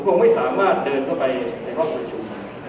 ผมก็ไม่สามารถเดินเข้าไปในห้อเครื่องชู